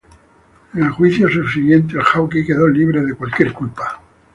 En el juicio subsiguiente el "Hawke" quedó libre de cualquier culpa.